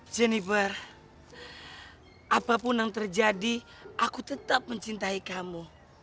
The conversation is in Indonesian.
jennifer apapun yang terjadi aku tetap mencintai kamu